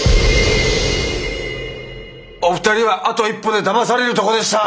お二人はあと一歩でだまされるとこでした！